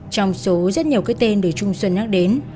trong số rất nhiều cái tên được trung xuân nhắc đến